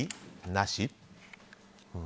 なし？